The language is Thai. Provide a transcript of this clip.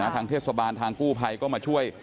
ทางเทศบาลทางกู้ภัยก็มาช่วย